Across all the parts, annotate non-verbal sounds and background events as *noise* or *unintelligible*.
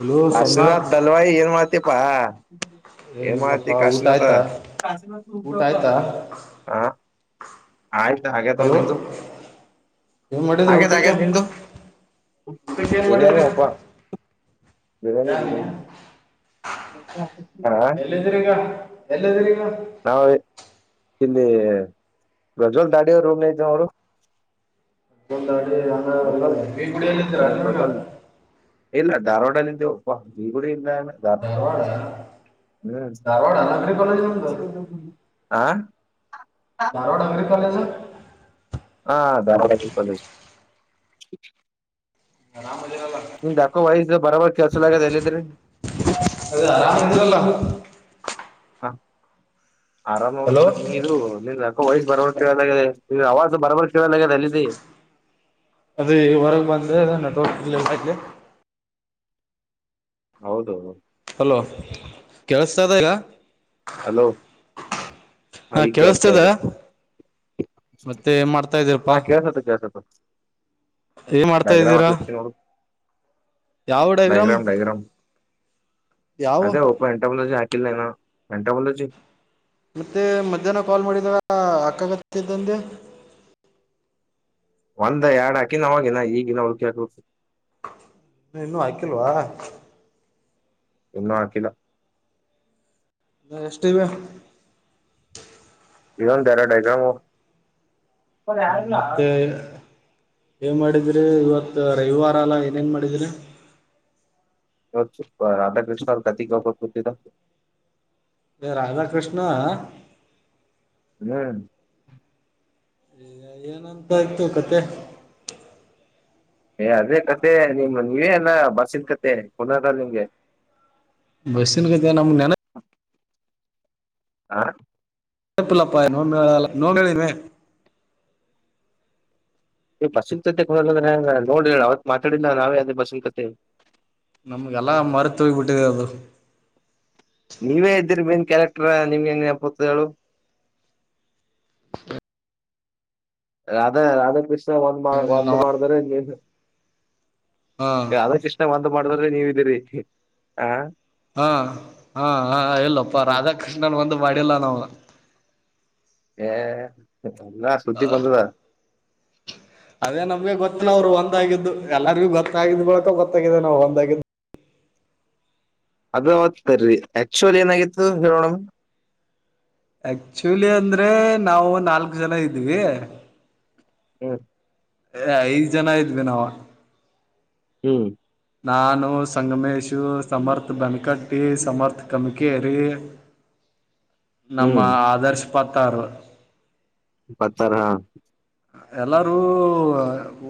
Hello Kashinath Somnath Dalwai ಏನ್ ಮಾಡ್ತಿ ಪ ಏ ಮಾಡತಿ ಏನಿಲ್ಲಪ್ಪಾ ಊಟ ಕಾಶನಾಥ ಆಯ್ತಾ ಊಟ ಕ ಆಯ್ತಾ ಹ ಆಯ್ತು ಹಾಗೇತ್ ಹಲೋ ನ ನಿ ಏನ್ ಮಾಡಿದ್ರಿ ಹಾಗೇದ ಊಟಕ್ಕೆ ಹಾಗೇದ ನಿಂದು ಊಟಕ್ಕೆ ಏನ್ ಬಿರಿಯಾನಿ ಮಾಡಿದ್ರಿ ಒಪ್ಪ ಬಿರಿಯಾನಿ *unintelligible* ಹ *unintelligible* ಹರ *inaudible* ಇಲ್ಲಿ ರಜ್ವಲ್ ದಾಡಿಯ ರೂಮ್ ನತ ಅವರು ಒಂದು ಅಡಿ ಅ ಪ್ರಜ್ವಲ್ ಬೇಗುಡಿಯಲ್ಲ ಇದಿದ್ದೀರ ನೀಗ ಧಾರೋಡ್ಲ ಜೀಗೊಡಿ ಇಲ್ಲ ಧಾರವಾಡ ಹ್ಮ್ ಧಾರವಾಡ ನಗರಿ ಕಾಲೇಜ್ ನಿಮ್ದು ಆ. ಧಾರವಾಡ ಅಂಗ್ರ ಕಾಲೇಜ ಹಾ ದಕ ನಾ ಮಜಲ್ಲ ಬರಬ ಕೆಲ್ಸಲ ಆಗದ ಎಲ್ಲಿದ್ರಿ ಅರಾಮದಲ್ಲು ಹಾ ಆರಾಮ್ ಹಲೋ ನೋಡಕ ನೀ ಇದು ನಿ ಅಕ್ಕ ವಯಸ್ಸ ಬರಬ ಅವವಾಸ ಬರವ ಕದದೆ ಅಲ್ಲಿದ ಅದ ಹೊರಗೆ ಬಂದ್ರೆ ಅದ ತ ಹೌದು ಹಲೋ ಕೇಳಿಸ್ತದ ಈಗ ಹಲೋ ಹಾ ಈಗ್ ಕೇಳಸ್ತಾ ಇದೆ. ಕೇಳಸ್ತದ ಮತ್ತೆ ಏನ್ ಮಾಡ್ತಾ ಇದಿಯಪ್ಪ ಹಾ ಕೇಳ್ಸತ್ತ ಕೇಳ್ಸತ್ತ ಏನ್ ಮಾಡ್ತಾ ಇದ್ದೀರಾ ಡೈಗ್ರಾಮ ಡೈಗ್ರಾಮ್ ಯಾವ ಅದೇ ಪ್ಪ ಎಂಟ ಮುಂದ ಜ ಹಾಕಿಲ್ಲನಾ. ಎಂತ ಬಲಾಜಿ ಮತ್ತೆ ಮಧ್ಯಾಹ್ನ ಕಾಲ್ ಮಾಡಿದಾಗ ಹಕಾಗತ್ತಿದ್ದಂದೆ ಒಂದ್ ಎರಡ್ ಹಾಕಿನ್ ಅವವಾಗಿನ ಈಗಿನ ಅವಕ ಇ ಇನ್ನು ಹಾಕಿಲ್ವಾ ಇನ್ನೂ ಮಾಡಕಿಲ್ಲ ಎಷ್ಟಿವ ಇವನ್ ರಾಡೈಗ್ರಾಮ ಒ ಯಲ್ಲ ಮತ್ತೆ ಏನ್ ಮಾಡಿದ್ರಿ ಇವತ್ ರವಿವಾರ ಅಲ್ಲ ಏನೇನ್ ಮಾಡಿದ್ರಿ? ಅ ಸರ್ಕಾರತಿ ಗಪರ ಕೊತಿ ರಾಧಾಕೃಷ್ಣ ಹ್ಮ್ ಈಗ ಏನಂತ ಆಯ್ತು ಕತೆ ಏ ಅದೇ ಕತೆ ನಿಮ ನೀವೇಲ್ಲ ಬಸಿದ ಕತೆ ಪುನಾರ ನಿಮಗೆ? ಬಸ್ಸಿನ ಕತೆ ನಮ್ ನೆನ ಹಾ ಹ ಪಿಲ್ಲಪ್ಪಾಯ ನೋ ಮಲ್ಲ ನೋ ಮಳನ ಬಸ್ಸಿಕ್ತತೆ ಕುರೆ ನೋಡ್ರಿ ಅವತ್ ಮಾತಾಡಿಲ್ಲ ನಾವೇ ಅದೇ ಬಸ್ಸಿನ ಕತೆ. ನಮ್ಗೆಲ್ಲಾ ಮರೆತ ಹೋಗ ಬಿಟ್ಟಿದೆ ಅದು. ನೀವೇ ಇದ್ದಿರ ಮೇನ್ ಕ್ಯಾರೆಕ್ಟರ್ ನಿಮ್ಗೆಂಗ ನಪ್ಪತದು ರಾಧಾ ರಾಧಾಕೃಷ್ಣ ಒಂದ್ ಮಾಡ ಒಂದ್ ಮಾಡಿದ್ರ ನೀ ಹಾ ಅದ ಚಷ್ಣ ಬಂದ ಮಾಡ್ರೆ ನೀವ್ದೀರಿ ಆ ಹಾ ಹಾ ಹ ಇಲ್ಲಪ್ಪ ರಾಧಾಕೃಷ್ಣನ್ ಒಂದು. ವಡಿಯಲ್ಲ ನಾವ ಹ ಎಲ್ಲಾ ಸುದ್ದಿ ಬಂದದಾ? ಅದೇ ನಮ್ಗೆ ಗೊತ್ತಿಲ್ಲ ಅವ್ರು ಒಂದಾಗಿದ್ದು ಎಲ್ಲಾರ ಭೀ ಗೊತ್ತಾಗಿದ್ ಬಳಕ ಗೊತ್ತಾಗಾಗಿದೆ ನಾವ್ ಒಂದಾಗಿದ್ದು. ಅದ ಅವತ್ರರಿ ಆಕ್ಚುಲ್ ಏನಾಗಿತ್ತು ಹೇಳೋಣಮ ಆಕ್ಚುಲಿ ಅಂದ್ರೆ ನಾವು ನಾಲ್ಕು ಜನ ಇದ್ವಿ ಹ್ಮ ಏ ಐದ್ ಜನ ಇದ್ವಿ ನಾವ ಹ್ಮ್ ನಾನು ಸಂಗಮೇಶ್ ಹ್ಮ್ ಸಮರ್ಥ ಬೆನಕಟ್ಟಿ ಸಮರ್ಥ ಕಮಿ ಅ ಕೆರೆ ನಮ್ಮ ಹ್ಮ್ ಆದರ್ಶ ಪ್ಪತ್ತಾರು ಪಥ ಹ ಎಲ್ಲಾರೂ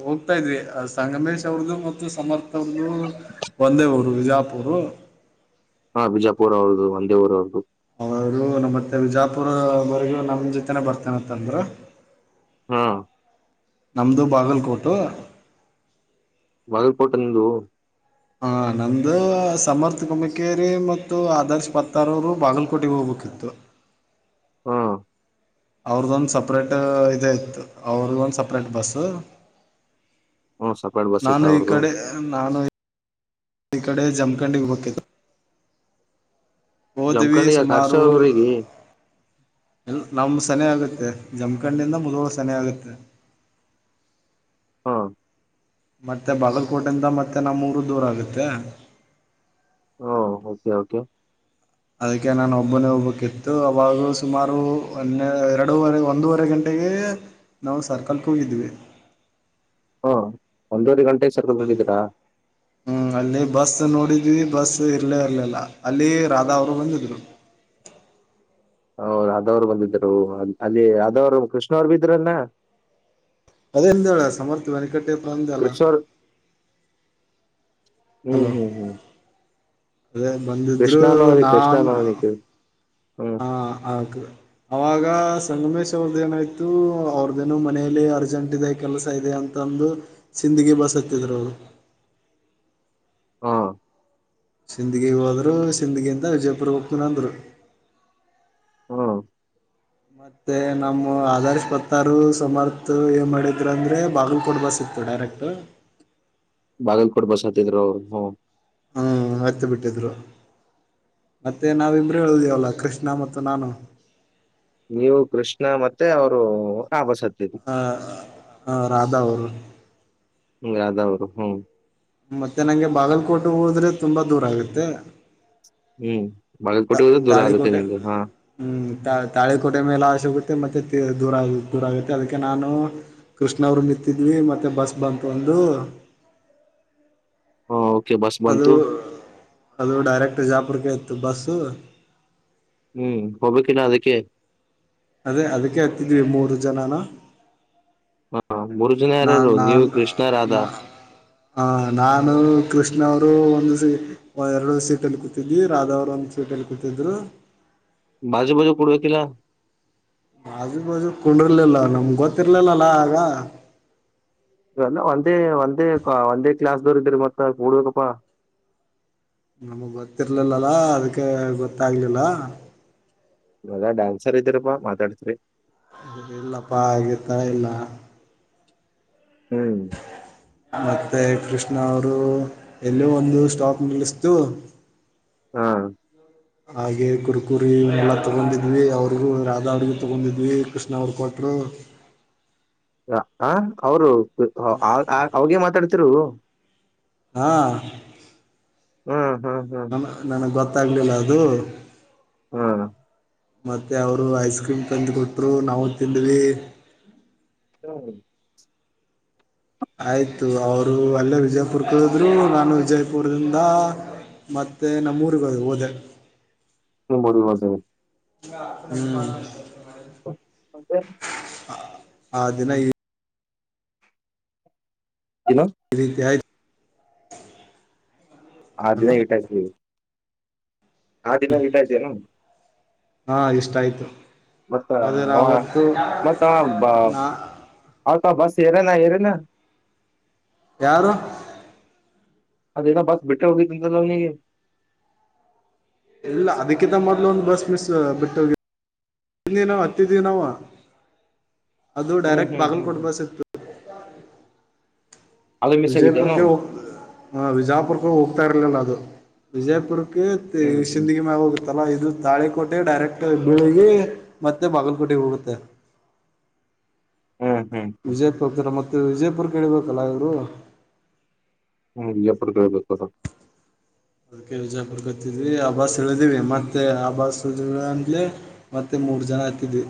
ಹೋಗ್ತಾ ಇದ್ವಿ, ಸಂಗಮೇಶ್ ಅವ್ರದದು ಮತ್ತು ಸಮರ್ಥ ಅವ್ರದು ಒಂದೇವರು ವಿಜಾಪುರ ಅವರು. ಹಾ ಬಿಜಾಪುರ್, ಅವ್ರುದು ಒಂದೆ ಊರ ಅವ್ರುದು.. ಅವರು ನಮ್ಮ ಮತ್ತೆ ವಿಜಾಪುರವರೆಗೂ ನಮ್ ಜೊತೆನೆ ಬರ್ತೇನತ್ತಂದ್ರ. ಹಾ ನಮದು ಬಾಗಲ್ಕೋಟು. ಬಲ್ಪೊಟಂದು ಹ ನಮ್ಮದು ಸಮರ್ಥ ಕುಂಬಿಕೇರಿ ಮತ್ತು ಆದರ್ಶ ಪತ್ತಾರವರು ಬಾಗಲಕೋಟೆಗೆ ಹೋಗ್ಬೇಕಿತ್ತು. ಹ್ಮ ಅವ್ರುದೊಂದು ಸಪ್ರೇಟ್ ಇ ಇತ್ತು ಅವ್ರುದೊಂದು ಸಪ್ರೇಟ್ ಬಸ್ ಹ್ಮ ಸಪ್ರೇಟ್ ಬಸ್ ಇತ್ತ ನಾನು ಈ ಅವ್ರದು ಕಡೆ ನಾನು ಇ ಕಡೆ ಜಮಖಂಡ ವಿಪಕ್ಕೆತ. ಜಮಖಂಡಿ ಯಾ ಹರ್ಷ ಅವ್ರ ರಿಗೆ ಇಲ್ ನಮ ಸನ ಆಗುತ್ತೆ ಜಮಖಂಡಿಂದ ಮುದುವ ಸನ ಆಗುತ್ತೆ. ಹಾ ಮತ್ತೆ ಬಾಗಲಕೋಟೆಯಿಂದ ಮತ್ತೆ ನಮ್ಮೂರು ದೂರ ಆಗುತ್ತೆ. ಹಓ ಓಕೆ ಓಕೆ ಅದಕ್ಕೆ ನಾನು ಒಬ್ಬನ್ನೇ ಒಬ್ಬ ಕಿತ್ತು ಅವಾಗ ಸುಮಾರು ಒ ಎರಡೂವರೆ ಒಂದೂವರೆ ಗಂಟೆಗೆ ನಾವು ಸರ್ಕಲ್ಗೆ ಹೋಗಿದ್ವಿ. ಹಾ ಒಂದವರೆ ಗಂಟೆ ಸರಿ ಹ್ಮ್ ಅಲ್ಲಿ ಬಸ್ ನೋಡಿದ ವಿ ಬಸ್ ಇರ್ಲೇ ಇರ್ಲಿಲ್ಲ ಅಲ್ಲಿ ರಾಧಾ ಅವರು ಬಂದಿದ್ರು. ಹ ರಾಧವ್ರು ಬಂದಿದರು ಅಲ್ಲಿ ರಧವ್ರು ಕೃಷ್ಣ ಅವ್ರು ಬಿದ್ರಲ್ಲ. ಅದೆ ಎಂತ ಹೇಳ ಸಮರ್ಥವವಾಗಿನಟ್ಟ ಟ್ಟಫಂದ ಜಲ್ಲ ಕೃಷ್ಣ ಅವ್ರು ಹ್ಮ್ ಹ್ಮ್ ಹ್ಮ್ ಅದೇ ಬಂದಿದ್ರು ಕೃಷ್ಣಾನವರಿ ನಾನು ಕೃಷ್ಣಾನವನಿಗೆ ಹ್ಮ್ ಹ ಆಕ್ದೆ ಅವಾಗ ಸಂಗಮೇಶ್ ಅವ್ರದು ಏನಾಯ್ತು ಅವ್ರದೇನೋ, ಮನೆಯಲ್ಲಿ ಅರ್ಜೆಂಟ್ ಇದೆ ಕೆಲಸ ಇದೆ ಅಂತಂದು ಸಿಂದಗಿ ಬಸತ್ತಿದ್ರು ಅವರು. ಹಾ ಸಿಂದಗಿ ಹೋದ್ರು ಸಿಂದಗಿಯಿಂದ ವಿಜಯಪುರ್ ಹೋಗ್ತೀನಂದರು. ಹಾ ಮತ್ತುತ್ತ ನಮ್ಮ ಆದರ್ಶ ಪತ್ತರು ಸಮರ್ಥ ಏನು ಮಾಡಿದ್ರ ಅಂದ್ರರೆ ಬಾಗಲಕೋಟೆ ಬಸ್ ಇತ್ತು ಡೈರೆಕ್ಟ್ ಬಾಗಲ್ಕೋಡ್ ಬಸಾತಿದ್ರು ಅವ್ರು ಹ್ಮ್ ಹ್ಮ್ ಹ್ತ ಬಿಟ್ಟಿದ್ರು. ಮತ್ತೆ ನಾವಿಮ್ರ ಹೇಳ್ದವಲ್ಲ ಕೃಷ್ಣ ಮತ್ತು ನಾನು ನೀವು ಕೃಷ್ಣ ಮತ್ತೆ ಅವರು ಆಭ ಸತ್ತ ಹ ಹ ರಾಧಾ ಅವರು ಯದಾವ್ರು ಹ್ಮ್ ಮತ್ತೆ ನಂಗೆ ಬಾಗಲ್ಕೋಟೆ ಹೋದ್ರೆ ತುಂಬಾ ದೂರ ಆಗುತ್ತೆ. ಹ್ಮ್ ಬಾಗಲಕೋಟೆ ಹೋದ್ರೆ ದೂರ ಆಗುತ್ತೆ ತಾಳಿಕೋಟೆ ನಿಮ್ಗೆ ಹಾ ಹ್ಮ್ ತಾಳಿಕೋಟೆ ಮೇಲೆ ಅಸು ಮತ್ತ ಮತ್ತೆ ದೂರ ದೂರ ಆಗುತ್ತೆ ಅದಕ್ಕೆ ನಾನು ಕೃಷ್ಣ ಅವರು ನಿಂತಿದ್ವಿ ಮತ್ತೆ ಬಸ್ ಬಂತ ಒಂದು. ಹ ಓಕೆ ಬಸ್ ಅದು ಬಂತು ಅದು ಡೈರೆಕ್ಟ್ಜಾಪುರ್ಕ್ಕೆ ಮತ್ತು ಬಸ್ಸು ಹ್ಮ್ ಹೋಗಬಕ್ಕಿನ ಅದಕ್ಕೆ ಅದೇ ಅದಕ್ಕೆ ಹತಿದ್ವಿ ಮೂರು ಜನಾನ ಹ ಮೂರು ಜನ ನಾ ಯಾರಾರು ನೀವು ನಾನು ಕೃಷ್ಣ ರಾಧಾ ಹ ನಾನು ಕೃಷ್ಣ ರು ಒಂದು ಎರಡು ಸೀಟ್ಲ್ಲಿ ಕೂತಿದ್ವಿ ರಾಧಾ ಅವ್ರು ಒಂದು ಸೀಟ್ ಅಲ್ಲಿ ಕೂತಿದ್ರು. ಬಾಜು ಬಾಜು ಪಡುವ ಕಲ್ಲ ಮಾಜು ಬಾಜು ಕಂಡಿರ್ಲಿಲ್ಲ ನಮ್ಗ್ ಗೊತ್ತಿರ್ಲಿಲ್ಲಲಾ ಆಗ ಇಲ್ಲ ಒಂದೇ ಒಂದೇ ಒಂದೇ ಕ್ಲಾಸ್ ದೋರ ಇದ್ರ ಮತ್ತೇನ್ಡ್ಬೇಕಪ್ಪಾ. ನಮಗ್ ಗೊತ್ತಿರ್ಲಿಲ್ಲಲ ಅದಕ್ಕೆ ಗೊತ್ತಾಗ್ಲಿಲ್ಲ. ಮದ ಡ್ಯಾನ್ಸರ್ ಇದ್ದೀರಪ್ಪಾ ಮಾತಾಡ್ತರಿ? ಅಲ್ಲಪ್ಪ ಆಗಿತರ ಇಲ್ಲ ಹ್ಮ್ ಮತ್ತೆ ಕೃಷ್ಣ ಅವರು ಎಲ್ಲೋ ಒಂದು ಸ್ಟಾಕ್ ನಿಲ್ಲಿಸತು. ಹಾ ಹಾಗೆ ಕುರ್ಕುರಿ ಎಲ್ಲ ತಗೊಂಡಿದ್ವಿ, ಅವ್ರಿಗೂ ರಾಧಾ ಅವ್ರಗೂ ತಗೊಂಡಿದ್ವಿ ಕೃಷ್ಣ ಅವ್ರ ಕೊಟ್ರು. ಹ ಅವರು ಅವ ಮಾತಾಡ್ ಕತ್ರು ಹಾ ಹ್ಮ್ ಹ್ಮ್ ನ ಹ್ಮ್ ನನಗ್ ಗೊತ್ತ ಗೊತ್ತಾಗಲಿಲ್ಲ ಅದು ಹ್ಮ ಮತ್ತೆ ಅವರು ಐಸ್ ಕ್ರೀಮ್ ತಂದು ಕೊಟ್ರು, ನಾವು ತಿಂದ್ವಿ. ಹ್ಮ ಆಯ್ತು ಅವರು ಅಲ್ಲೇ ವಿಜಯಪುರ್ ಇಳಕ್ಳುದ್ರು ನಾನು ವಿಜಯಪುರದಿಂದ ಮತ್ತೆ ನಮ್ಮೂರಿಗೆ ಹೋದ ಹೋದೆ. ಹ ಬಸ ಹ ಅಂದ ಹ ದಿನ ಈ ಇ ಈ ರೀತಿ ಆ ಅದುದ ಅಲ್ಲ ಟ ಆ ದಿನ ಇಟಾಯ್ತೇನು? ಹಾ ಇಷ್ಟ ಆಯ್ತು. ಮತ್ತ ಆದ್ರೆ ಅವತ್ತು ಮತ್ತ ನಾ ಹ ಬಸ್ ಹರ ನ ಹರನ ಯಾರು? ಅದೇನೋ ಬಸ್ ಬಟ್ಟಿರ ಹೋಗು ನೀ. ಇಲ್ಲ ಅದಕ್ಕಿಂತ ಮೊದ್ಲು ಒಂದು್ ಬಸ್ ಮಿಸ್ ಬಿಟ್ಟ ನಾವ ಹತ್ತಿದೀವಿ ನಾವು. ಅದು ಹ್ಮ್ ಡೈರೆಕ್ಟ್ ಹ್ಮ್ ಬಾಗಿಲ್ ಹ್ಮ್ ಕೊಡ್ ಹ್ಮ್ ಬಸ ಇತ್ತು. ಅದು ಮಿಸ್ ಆಗಿತ್ತೇನು ವಿಜಯಪುರ್ಕ್ಕೆ ಹೋಗ ಹ ವಿಜಾಪುರ್ಕ್ಕ ಹೋಗ್ತಾ ಇರ್ಲಿಲ್ಲ ಅದು. ವಿಜಯಪುರ್. ಹ್ಮ್ *unintelligible* ಹ್ಮ್ ಸಿಂದಗಿ ಮ್ಯಾಗ ಹೋಗ ಅಲ್ಲ ಇದು ತಾಳೆಕೋಟೆ ಡೈರೆಕ್ಟ್ ಬಿಳಗಿ ಮತ್ತೆ ಬಾಗಲ್ಕೋಟೆಗ ಹೋಗುತ್ತ. ಹ್ಮ್ ಹ್ಮ್ ಹ್ಮ್ ವಿಜಯಪುರಕಿನ್ ಮೊದ್ಲ ಇದು ವಿಜಯಪುರಕ ಇಳಿಬೇಕಲ್ಲ ಇವರು. ಹ್ಮ ವಿಜಾಪುರಕ ಇಳಿಬೇಕ ಅವರ್. ಕೆಲ್ಸಾ ಹುಡ್ಕತಿದ್ವಿ ಅ ಬಸ್ ಇಳಿದಿವಿ ಮತ್ತೆ ಅ ಬಸ್ *unintelligible* ಅಂತ್ಲೇ ಮತ್ತೆ ಮೂರ್ ಜನ ಹತಿದ್ವಿ.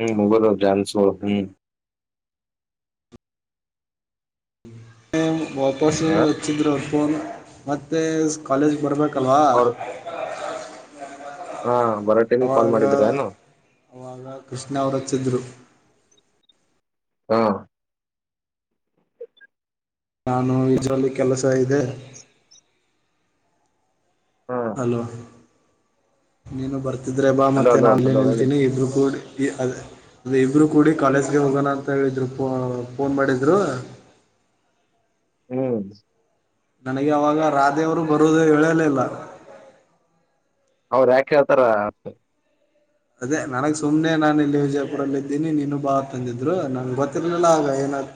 ಹ್ಮ್ *unintelligible* ಹ್ಮ್ ಹ್ಮ ವಾಪಸ್ಸು ಹ ಹಚ್ಚಿದ್ರ ಅವರ್ ಫೋನ್. ಮತ್ತೆ ಕಾಲೇಜ್ ಬರ್ಬೇಕ ಕಲವಾ. ಅವ್ರ ಹಾ ಬರೋ ಟೈಮಿಗೆ ಕಾಲ್ ಅವಾಗ ಮಾಡಿದ್ರ ಏನು ಅವಾಗ ಕೃಷ್ಣ ಅವ್ರು ಹಚ್ಚಿದ್ರು. ಹಾ ನಾನು ಈಜೋಲ್ಲಿ ಕೆಲಸ ಇದೆ. ಹಾ ಹಲೋ ನೀನು ಬರ್ತೀ ಇದ್ರೆ ಹಲೋ ಬಾತ್ತೆ ಹಲೋ ನಾನ ಇಲ್ಲೆ ಹಲೋ ಹೇಳಿ ನಿಲ್ಲತೀನಿ ಇಬ್ರು ಕೂಡಿ ಈ ಅದ ಅದ ಇಬ್ರು ಕೂಡಿ ಕಾಲೇಜ್ಗೆ ಹೋಗೋಣ ಅಂತ ಹೇಳಿದ್ರು ಪೊ ಫೋನ್ ಮಾಡಿದ್ರು. ಹ್ಮ್ ನನಗೆ ಅವಾಗ ರಾಧೆವರು ಬರುದು ಹೇಳಲಿಲ್ಲ. ಅವ್ರ ಯಾಕೆ ಹಳ್ತಾರ? ಅದೇ ನನಗ್ ಸುಮ್ನೆ ನಾನು ಇಲ್ಲಿ ವಿಜಯಪುರಲ್ಲ ಇದ್ದೀನಿ ನೀನು ಬಾ ಅಂತ್ ಅಂದಿದ್ರು ನಂಗೆ ಗೊತ್ತಿರ್ಲಿಲ್ಲ ಅವರ್ ಏನ್ ಆತ್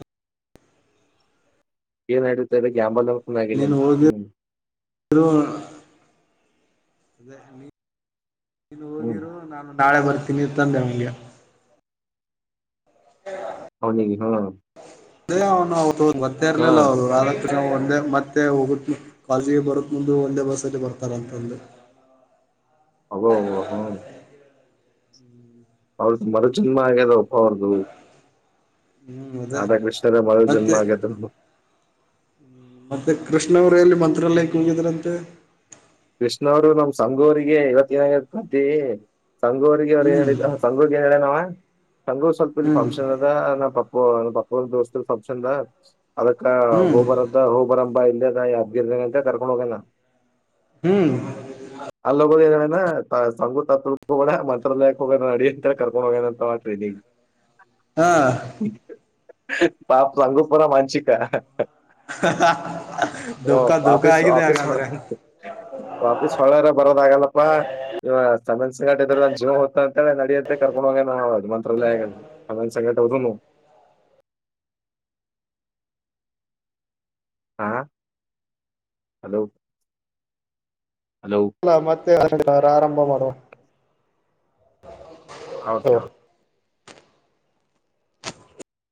ಏನ್ ಹಡತ್ತದ ಯಾಂಬಲ್ ಅದ. ನೀನು *unintelligible* ಹೋಗಿರು ಹ್ಮ್ *unintelligible* *inaudible* ನೀನು ಹ್ಮ್ ಹೋಗಿರು ನಾನು ನಾಳೆ ಬರ್ತೀನಿ ತಂದೆ ಅವಂಗ್. *unintelligible* ಅವನಿಗ್ ಹಾ ಎ ಅವ್ನು ಗೊತ್ತೆ ಹಾ ಇರ್ಲಿಲ್ಲ ಅವ್ರು ಆದ ಒಂದೇ ಮತ್ತೆ ಹೋಗುತ್ ಮೂ ಕಾಲೆಜಿಗೆ ಬರೋತ್ ಮುಂದ ಒಂದೇ ಬಸ್ಸಲ್ಲಿ ಬರ್ತಾರ ಅಂತಂದ. ಅಬೊ ಅಬೊ ಹ್ಮ. ಅವ್ರದ ಮರು ಜನ್ಮ ಆಗ್ಯದ ಅಪ್ಪೋ ಅವ್ರದು. ಹ್ಮ್ ಅದೇ ರಾಧಾ ಕೃಷ್ಣಾ ರ ಮರು ಮತ್ತೆ ಜನ್ಮ ಆಗ್ಯದ ಅಂತ್. ಮತ್ತೆ ಕೃಷ್ಣ ಅವರೆಲ್ಲಿ ಮಂತ್ರಲಾಯಕ ಹೋಗಿದ್ರಂತೆ. ಕೃಷ್ಣ್ರು ನಮ್ ಸಂಗೂರಿಗೆ ಇವತ್ತ ನ ಬ್ದೆ ಸಂಗೂರಿಗೆ ಅವ್ರು ಏ ಹ್ಮ್ ಹೇಳಿದ್ದ ಸಂಗೂರಿಗೆ ನ್ ಹೇಳ್ಯನಾವ ತಂಗೂ ಸ್ವಲ್ಪ ಇಲ್ಲಿ ಹ್ಮ್ ಫಂಕ್ಷನ್ ಅದ ನ ಪಪ್ಪ ಅ ಪಪ್ಪ ದೋಸ್ತ ಸಬ್ಕ್ಷಾ *unintelligible* ಅದಕ್ಕ ಹ್ಮ್ ಗೋಬರದ್ದ ಹೋಬರ ಹಬಾ ಇಲ್ಲದೆದ ಯಗಿರ್ದ ಅಂತ ಕರ್ಕೊಂಡು ಹೋಗಣ ಹ್ಮ್ *unintelligible* ಸಂಗು ತತ್ಡ ಮಂತ್ರಾಲಯಕ್ಕೆ ಹೋಗ ನಡಿ ಅಂತೇಳ ಕರ್ಕೊಂಡ್ ಹೋಗೋನ ಅಂತ ಟ್ರೀನ ಹಾ ಪಾಪ ಸಂಗು ಪರ ಮಾಂಸಿಕಾ *unintelligible* ದುಃಖ ದುಃಖ ಆಗಿದೆ ಹಾಗಾದ್ರೆ *unintelligible* ಬರೋದ ಆಗಲ್ಲಪ್ಪಾ ಇವ ಸಮನ್ ಸಂಗಟ ಇದ್ರೆ ನ ಜೀವ ಹೊತ್ತ ಅಂತೇಳೆ ನಡಿಯತ್ತೆ ಕರ್ಕೊಂಡ್ ಹೋಗ ನದು ಮಂತ್ರಾಲಯ ಆಗಲ್ಲ ಸಮನ್ ಸಂಗಟ ಹದುನು ಹಾ ಹಲೋ ಹಲೋ ಸಲಾಮತ್ *inaudible* ಆರಂಭ ಮಾಡುವ ಓಕೆ